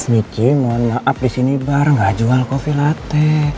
michi mohon maaf di sini bar nggak jual kopi latte